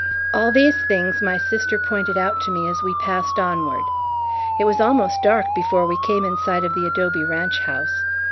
All these things my sister pointed out to me as we passed onward. It was almost dark before we came in sight of the adobe ranch house.